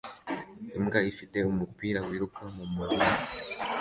Imbwa ifite umupira wiruka mumurima